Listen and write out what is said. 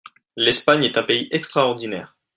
L'Espagne est un pays extraordinaire